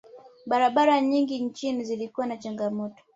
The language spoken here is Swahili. barabara nyingi nchini zilikuwa na changamoto